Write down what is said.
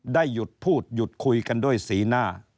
ได้หยุดพูดหยุดคุยกันด้วยสีหน้า